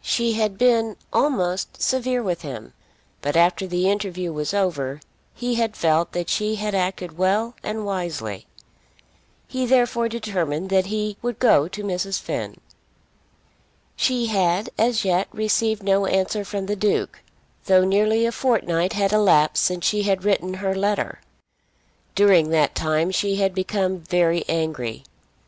She had been almost severe with him; but after the interview was over, he had felt that she had acted well and wisely. He therefore determined that he would go to Mrs. Finn. She had as yet received no answer from the Duke, though nearly a fortnight had elapsed since she had written her letter. During that time she had become very angry.